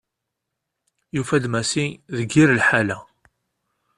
Yufa-d Massi deg yir lḥala.